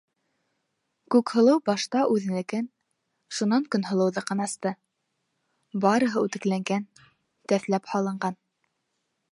Күкһылыу башта үҙенекен, шунан Көнһылыуҙыҡын асты: барыһы үтекләнгән, тәҫләп һалынған.